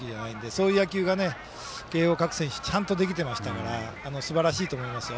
そういう野球が慶応の各選手ちゃんとできていましたからすばらしいと思いますよ。